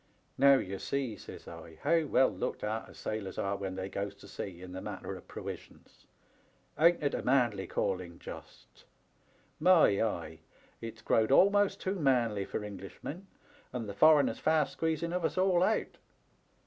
278 <^TEAT THERE LITTLE TOMMY. "* Now, ye see,' says I, ' how well looked arter sailors are when they goes to sea in the matter of prowisions. Ain't it a manly calling, just ! My eye ! It*s growed almost too manly for Englishmen, and the foreigner's fast squeezing of us all out.